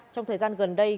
trong thời gian gần đây